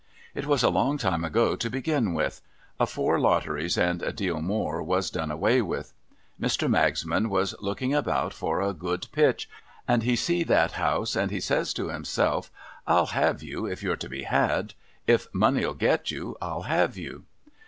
It was a long time ago, to begin with ;— afore lotteries and a deal more was done away with. Mr. Magsman was looking about for a good pitch, and he see that house, and he says to himself, ' I'll have you, if you're to be had. If nioney'll get you, I'll have you.'